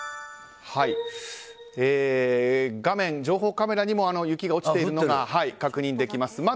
画面、情報カメラにも雪が落ちているのが確認できます。